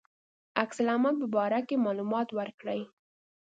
عکس العمل په باره کې معلومات ورکړي.